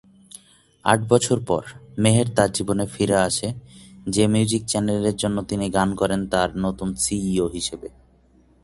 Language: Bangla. আট বছর পর, মেহের তার জীবনে ফিরে আসে যে মিউজিক চ্যানেলের জন্য তিনি গান করেন তার নতুন সিইও হিসেবে।